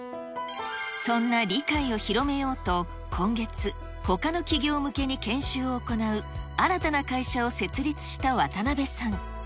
そんな理解を広めようと、今月、ほかの企業向けに研修を行う新たな会社を設立した渡辺さん。